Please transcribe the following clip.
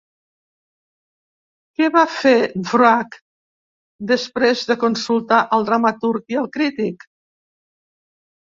Què va fer Dvořák després de consultar al dramaturg i al crític?